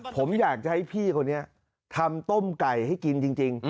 ผมอยากจะให้พี่คนนี้ทำต้มไก่ให้กินจริง